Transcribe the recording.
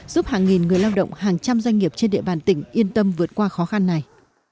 giúp hàng nghìn người lao động hàng trăm doanh nghiệp trên địa bàn tỉnh yên tâm vượt qua khó khăn này